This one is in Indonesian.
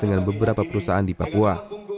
dengan beberapa perusahaan di papua